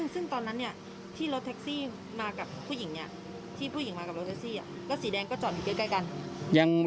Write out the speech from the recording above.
ซึ่งตอนนั้นที่รถแท็กซี่มากับผู้หญิงที่ผู้หญิงมากับรถแท็กซี่รถสีแดงก็จอดอยู่ใกล้กัน